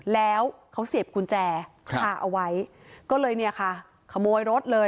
แล้วเขาเสียบกุญแจคาเอาไว้ก็เลยเนี่ยค่ะขโมยรถเลย